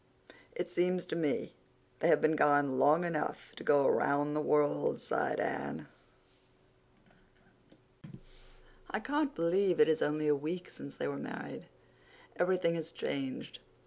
"It seems to me they have been gone long enough to go around the world," sighed Anne. "I can't believe it is only a week since they were married. Everything has changed.